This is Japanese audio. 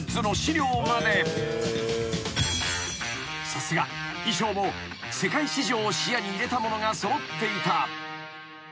［さすが衣装も世界市場を視野に入れたものが揃っていた］